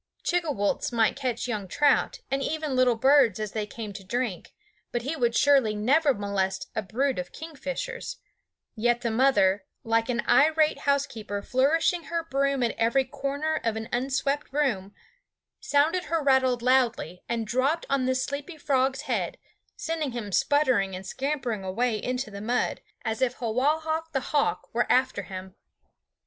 Chigwooltz might catch young trout, and even little birds as they came to drink, but he would surely never molest a brood of kingfishers; yet the mother, like an irate housekeeper flourishing her broom at every corner of an unswept room, sounded her rattle loudly and dropped on the sleepy frog's head, sending him sputtering and scrambling away into the mud, as if Hawahak the hawk were after him.